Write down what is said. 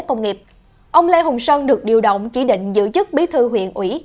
ông lê hồng sơn được điều động chỉ định giữ chức bí thư huyện ủy